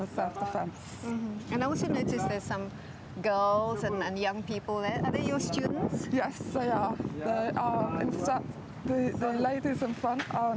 saya berlatih setiap hari